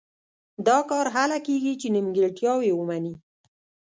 دا کار هله کېږي چې نیمګړتیاوې ومني.